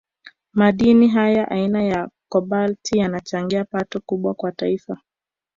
Madini haya aina ya Kobalti yanachangia pato kubwa kwa Taifa